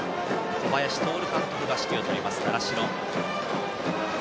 小林徹監督が指揮を執ります習志野。